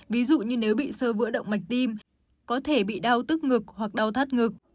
ví dụ như nếu bị sơ vữa động mạch tim có thể bị đau tức ngực hoặc đau thắt ngực